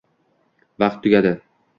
Vaqt tugadi.